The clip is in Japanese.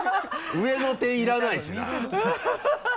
上の点いらないしな。